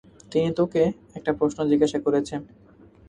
তিনি তোকে একটা প্রশ্ন জিজ্ঞাসা করেছে!